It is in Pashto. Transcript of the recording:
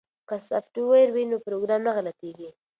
که سافټویر وي نو پروګرام نه غلطیږي.